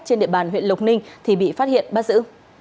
trên địa bàn huyện lộc ninh thì bị phát hiện bắt giữ